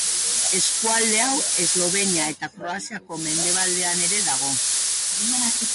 Eskualde hau, Eslovenia eta Kroaziako mendebaldean ere dago.